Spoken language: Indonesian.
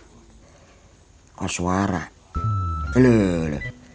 kalau kak suara mah